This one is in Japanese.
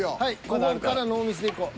ここからノーミスでいこう。